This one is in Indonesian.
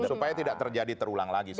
supaya tidak terjadi terulang lagi